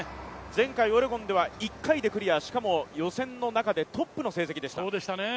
前回、オレゴンでは１回でクリア、しかも予選の中でトップの成績でした。